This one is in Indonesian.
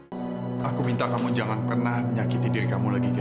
sampai jumpa di video selanjutnya